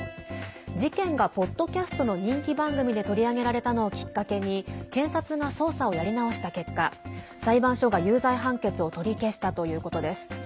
事件がポッドキャストの人気番組で取り上げられたのをきっかけに検察が捜査をやり直した結果裁判所が有罪判決を取り消したということです。